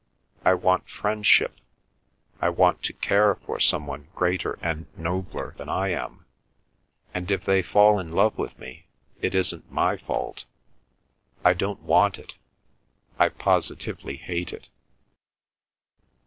I want friendship; I want to care for some one greater and nobler than I am, and if they fall in love with me it isn't my fault; I don't want it; I positively hate it."